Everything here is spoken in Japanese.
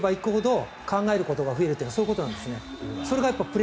だから後ろに行けば行くほど考えることが増えるというのはそういうことなんです。